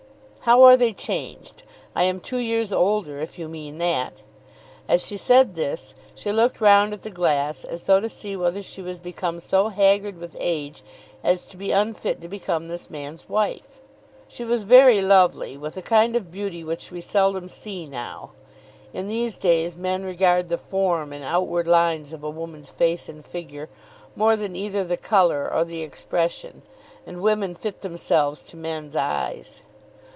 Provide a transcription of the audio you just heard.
"How are they changed? I am two years older, if you mean that." As she said this she looked round at the glass, as though to see whether she was become so haggard with age as to be unfit to become this man's wife. She was very lovely, with a kind of beauty which we seldom see now. In these days men regard the form and outward lines of a woman's face and figure more than either the colour or the expression, and women fit themselves to men's eyes.